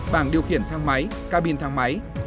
bảng điều khiển thang máy ca bin thang máy